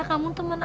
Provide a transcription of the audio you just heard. kamu temen aku